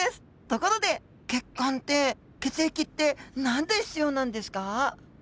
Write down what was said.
ところで血管って血液って何で必要なんですか？